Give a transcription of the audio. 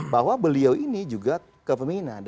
bahwa beliau ini juga